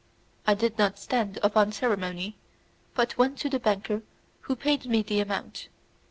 I did not stand upon ceremony, but went to the banker who paid me the amount.